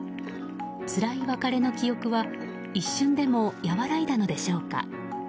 つらい別れの記憶は一瞬でも和らいだのでしょうか。